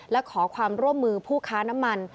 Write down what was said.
และขอความร่วมมือผู้ค้าน้ำมัน